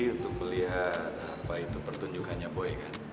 untuk melihat apa itu pertunjukannya boy kan